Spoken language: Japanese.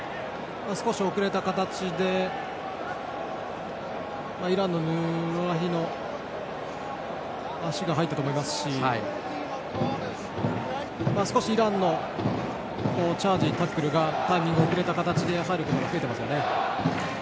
遅れた形でイランのヌロラヒの足が入ったと思いますし少しイランのチャージ、タックルタイミングが遅れた形で入ることが増えています。